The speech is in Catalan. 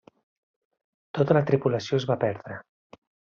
Tota la tripulació es va perdre.